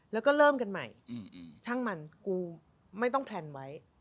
แล้วก็เริ่มกันใหม่ช่างมันกูไม่ต้องแพลนไว้